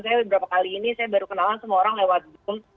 saya beberapa kali ini saya baru kenalan semua orang lewat zoom